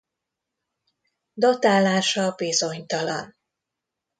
Datálása bizonytalan.